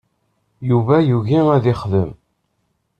Yuba yugi ad yexdem.